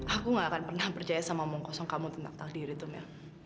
aku nggak akan pernah percaya sama omong kosong kamu tentang takdir itu nia